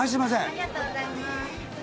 ありがとうございます。